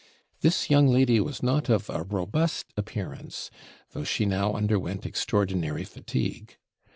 This young lady was not of a robust appearance, though she now underwent extraordinary fatigue.